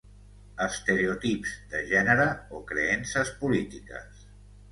estereotips de gènere o creences polítiques